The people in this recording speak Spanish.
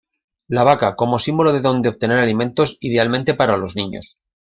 La vaca como símbolo de donde obtener alimentos, idealmente para los niños.